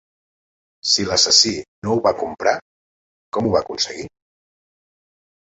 Si l'assassí no ho va comprar, com ho va aconseguir?